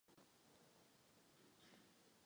V obci funguje zařízení předškolní péče o děti.